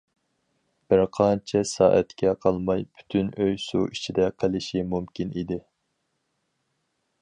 بىر قانچە سائەتكە قالماي پۈتۈن ئۆي سۇ ئىچىدە قېلىشى مۇمكىن ئىدى.